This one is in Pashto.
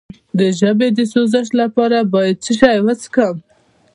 د ژبې د سوزش لپاره باید څه شی وڅښم؟